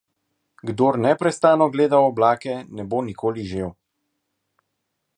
Kdor neprestano gleda v oblake, ne bo nikoli žel.